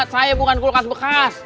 saya bukan kulkas bekas